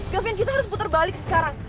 gavin kita harus puter balik sekarang